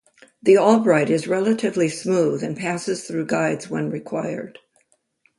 The Albright is relatively smooth and passes through guides when required.